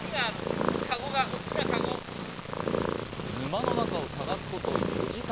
沼の中を捜すこと４時間。